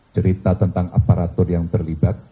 cerita tentang aparatur yang terlibat